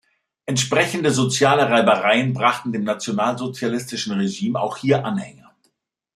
Entsprechende soziale Reibereien brachten dem nationalsozialistischen Regime auch hier Anhänger.